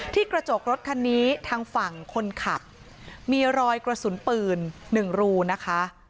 กระจกรถคันนี้ทางฝั่งคนขับมีรอยกระสุนปืน๑รูนะคะ